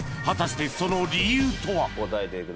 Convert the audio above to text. ［果たしてその理由とは］